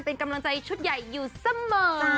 เป็นกำลังใจชุดใหญ่อยู่เสมอ